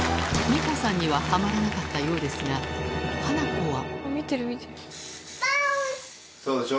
美保さんにははまらなかったようですが、ハナコは。